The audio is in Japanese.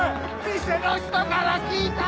店の人から聞いた！